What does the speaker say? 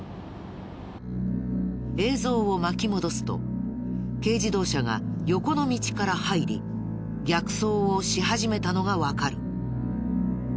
映像を巻き戻すと軽自動車が横の道から入り逆走をし始めたのがわかる。